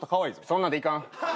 そんなんで行かん。